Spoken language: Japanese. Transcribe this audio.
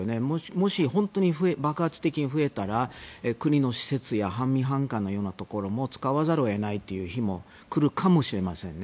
もし、本当に爆発的に増えたら国の施設や半民半官のようなところも使わざるを得ないという日も来るかもしれませんね。